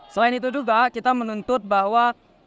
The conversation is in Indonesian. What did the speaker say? selain itu juga kita menuntut bahwa